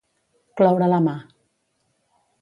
Cloure la mà.